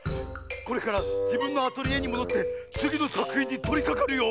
これからじぶんのアトリエにもどってつぎのさくひんにとりかかるよ！